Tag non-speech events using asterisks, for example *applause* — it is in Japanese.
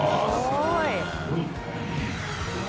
すごい *laughs*